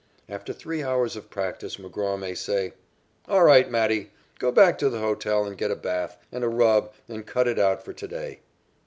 After three hours of practice, McGraw may say: "All right, Matty. Go back to the hotel and get a bath and a rub and cut it out for to day."